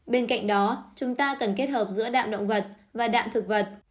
bên cạnh đó chúng ta cần kết hợp giữa đạm động vật và đạm thực vật